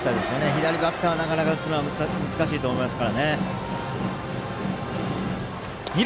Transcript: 左バッターはなかなか打つのは難しいと思いますから。